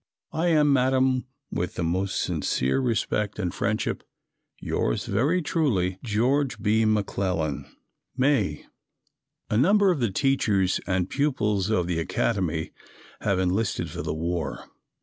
I am, Madam, with the most sincere respect and friendship, yours very truly, Geo. B. McClellan." May. A number of the teachers and pupils of the Academy have enlisted for the war.